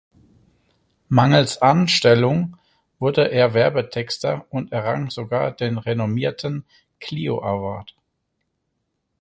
Mangels Anstellung wurde er Werbetexter und errang sogar den renommierten Clio Award.